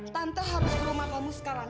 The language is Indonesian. tante harus ke rumah kamu sekarang